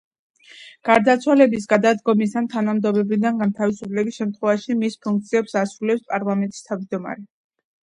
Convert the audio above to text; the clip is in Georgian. გარდაცვალების, გადადგომის ან თანამდებობიდან გათავისუფლების შემთხვევაში მის ფუნქციებს ასრულებს პარლამენტის თავმჯდომარე.